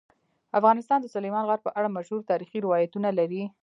افغانستان د سلیمان غر په اړه مشهور تاریخی روایتونه لري.